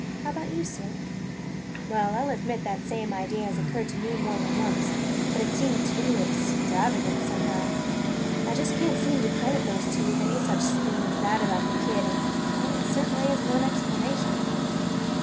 How about you, Syd?" "Well, I 'll admit that same idea has occurred to me more than once, but it 's seemed too – extravagant, somehow. I just can't seem to credit those two with any such scheme as that about the kid and yet it certainly is one explanation!"